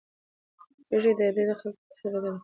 زېږوې که د دې خلکو په څېر بل خر